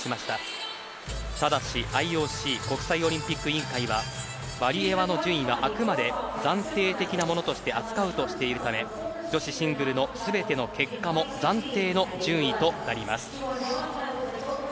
ただし、ＩＯＣ・国際オリンピック委員会はワリエワの順位はあくまで暫定的なものとして扱うとしているため女子シングルの全ての結果も暫定の順位となります。